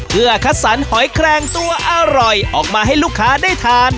เพื่อคัดสรรหอยแคลงตัวอร่อยออกมาให้ลูกค้าได้ทาน